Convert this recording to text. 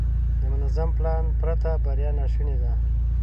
د منظم پلان پرته بریا ناشونې ده.